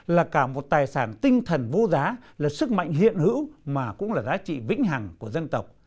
là cả một tài sản tinh thần vô giá là sức mạnh hiện hữu mà cũng là giá trị vĩnh hằng của dân tộc